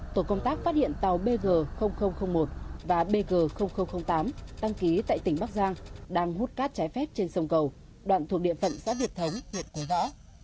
tổ công tác phát hiện tàu bg một và bg tám đăng ký tại tỉnh bắc giang đang hút cát trái phép trên sông cầu đoạn thuộc địa phận xã việt thống huyện quế võ